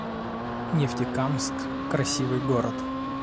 Нефтекамск — красивый город